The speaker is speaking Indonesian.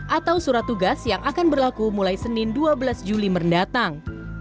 atau surat tugas yang akan berlaku mulai senin dua belas juli mendatang